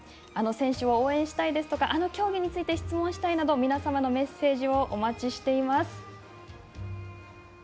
あの選手を応援したいですとかあの競技について質問したいなど皆様のメッセージをお待ちしています。